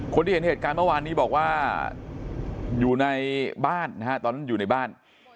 คนที่เห็นเหตุการณ์เมื่อวานนี้บอกว่าอยู่ในบ้านนะฮะตอนนั้นอยู่ในบ้าน